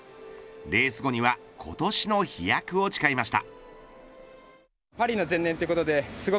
レース後には今年の飛躍を誓いました。